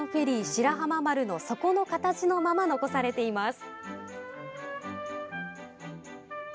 「しらはま丸」の底の形のまま残されています。